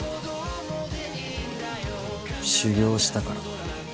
修業したから。